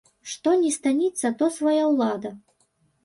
Што ні станіца, то свая ўлада.